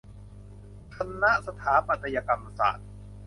คณะสถาปัตยกรรมศาสตร์